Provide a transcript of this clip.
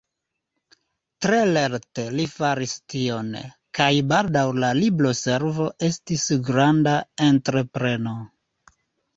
Tre lerte li faris tion, kaj baldaŭ la libro-servo estis granda entrepreno.